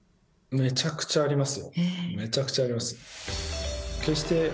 めちゃくちゃあります。